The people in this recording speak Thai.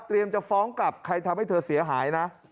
จะฟ้องกลับใครทำให้เธอเสียหายนะ